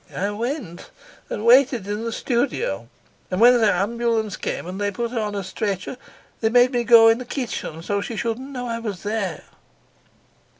I went, and waited in the studio. And when the ambulance came and they put her on a stretcher, they made me go in the kitchen so that she shouldn't know I was there."